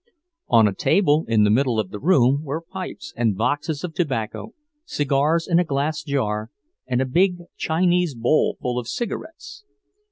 On a table in the middle of the room were pipes and boxes of tobacco, cigars in a glass jar, and a big Chinese bowl full of cigarettes.